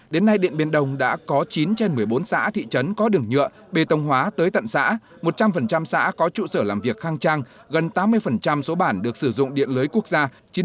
đến nay điện biên đông đã có chín trên một mươi bốn xã thị trấn có đường nhựa bê tông hóa tới tận xã một trăm linh xã có trụ sở làm việc khang trang gần tám mươi số bản được sử dụng điện lưới quốc gia